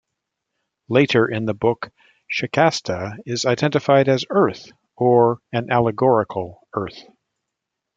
Later in the book, Shikasta is identified as Earth, or an allegorical Earth.